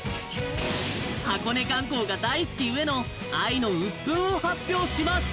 箱根観光が大好きゆえの愛のウップンを発表します！